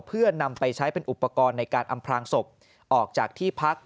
เพื่อนำไปใช้เป็นอุปกรณ์ในการอำพลางศพออกจากที่พัก